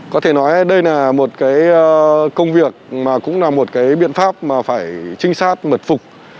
có thể nói đây là một cái công việc mà cũng là một cái biện pháp mà phải trinh sát mật phục